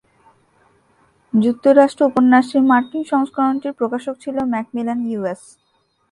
যুক্তরাষ্ট্রে উপন্যাসটির মার্কিন সংস্করণটির প্রকাশক ছিল ম্যাকমিলান ইউএস।